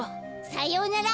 さようなら！